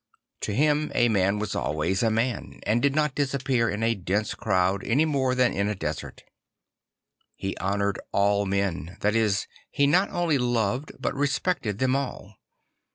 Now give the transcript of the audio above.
To him a man was always a man and did not disappear in a dense crowd any more than in a desert. He honoured all men; that is, he not only loved but respected them all.